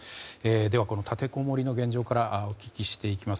では、この立てこもりの現状からお聞きしていきます。